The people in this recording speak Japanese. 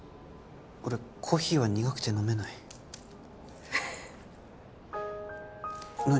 俺コーヒーは苦くて飲めない何？